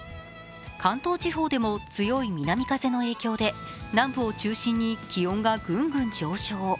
関東地方でも強い南風の影響で南部を中心に気温がぐんぐん上昇。